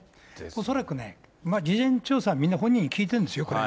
恐らくね、事前調査はみんな本人に聞いてるんですよ、これ。